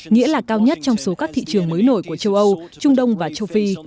nghĩa là cao nhất trong số các thị trường mới nổi của châu âu trung đông và châu phi